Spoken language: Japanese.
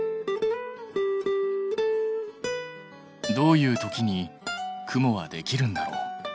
どういう時に雲はできるんだろう？